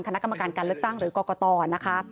การการเลือกตั้งหรือกรกฎนะคะ